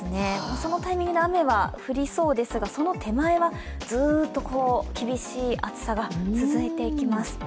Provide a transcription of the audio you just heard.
そのタイミングで降りそうですが、その手前はずっと厳しい暑さが続いていきます。